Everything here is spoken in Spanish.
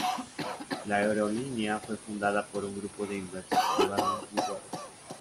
La aerolínea fue fundada por un grupo de inversores privados búlgaros.